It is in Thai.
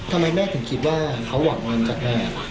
ทำไมแม่ถึงกินว่าเขาหวังจัดแม่